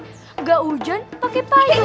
nggak hujan pakai payung